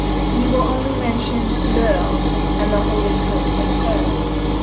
We will only mention Lourdes and the " Holy Coat " of Treves.